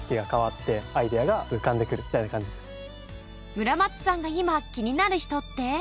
村松さんが今気になる人って？